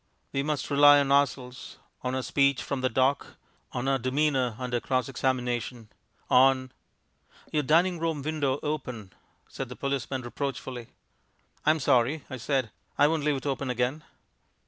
We must rely on ourselves; on our speech from the dock; on our demeanour under cross examination; on "Your dining room window open," said the policeman reproachfully. "I'm sorry," I said; "I won't leave it open again."